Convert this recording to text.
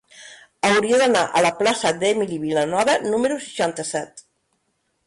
Hauria d'anar a la plaça d'Emili Vilanova número seixanta-set.